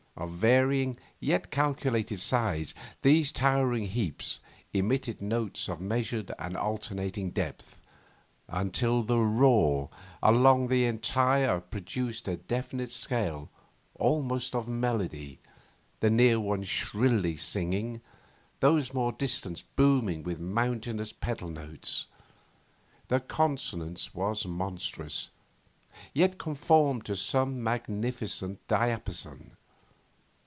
Of varying, yet calculated size, these towering heaps emitted notes of measured and alternating depth, until the roar along the entire line produced a definite scale almost of melody, the near ones shrilly singing, those more distant booming with mountainous pedal notes. The consonance was monstrous, yet conformed to some magnificent diapason.